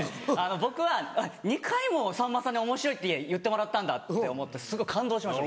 僕は２回もさんまさんにおもしろいって言ってもらったんだって思ってすごい感動しました。